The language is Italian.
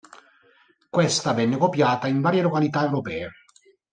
Questa venne copiata in varie località europee.